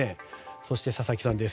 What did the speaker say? そして、佐々木さんです。